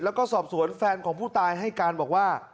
แล้วก็สอบสวนแฟนของผู้ตายให้การบอกว่า